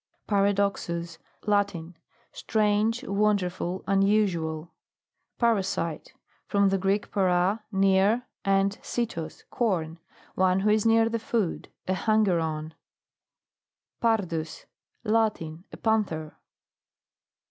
PARADOXUS. Latin. Strange, won derful, unusual. PARASITE. From the Greek, para, near, and sitos, corn. One who is near the food. A hanger on. PARDUS. Latin. A Panther.